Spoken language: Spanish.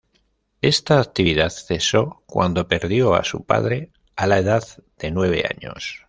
Esta actividad cesó cuando perdió a su padre a la edad de nueve años.